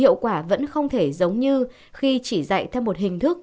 hiệu quả vẫn không thể giống như khi chỉ dạy theo một hình thức